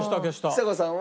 ちさ子さんは。